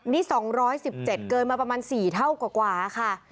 นี่๒๑๗เกินมาประมาณ๔เท่ากว่าค่ะ